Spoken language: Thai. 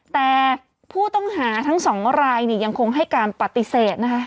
แต่ผู้ต้องหาทั้งสองรายยังคงให้การปฏิเสธนะคะ